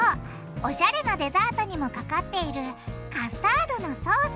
おしゃれなデザートにもかかっているカスタードのソース！